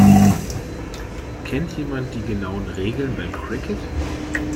Kennt jemand die genauen Regeln beim Cricket?